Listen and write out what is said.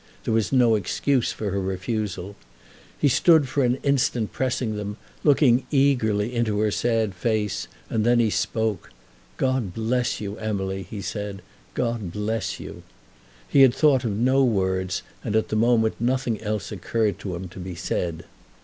There was no excuse for her refusal. He stood for an instant pressing them, looking eagerly into her sad face, and then he spoke. "God bless you, Emily!" he said, "God bless you!" He had thought of no words, and at the moment nothing else occurred to him to be said.